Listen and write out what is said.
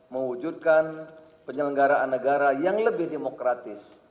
mewujudkan penyelenggaraan negara yang lebih demokratis